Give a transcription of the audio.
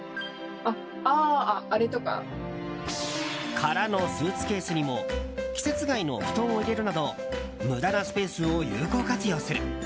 空のスーツケースにも季節外の布団を入れるなど無駄なスペースを有効活用する。